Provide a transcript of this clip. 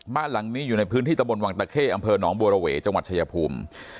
บ้านหลังนี้อยู่ในพื้นที่ตะบนวังตะเข้อำเภอหนองบัวระเวจังหวัดชายภูมิ